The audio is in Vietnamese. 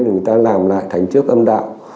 rồi người ta làm lại thành trước âm đạo